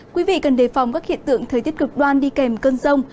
quý vị cần đề phòng các hiện tượng thời tiết cực đoan đi kèm cơn rông